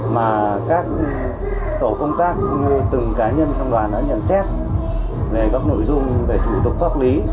mà các tổ công tác từng cá nhân trong đoàn đã nhận xét về các nội dung về thủ tục pháp lý